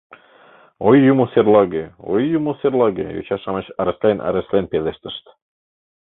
— Ой, юмо серлаге! Ой, юмо серлаге! — йоча-шамыч ыреслен-ыреслен пелештышт.